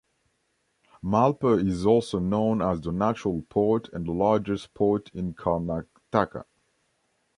Malpe is also known as the natural port and the largest port in karnataka.